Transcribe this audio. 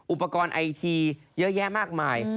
อุปกรณ์ไอทีเยอะแยะมากมาย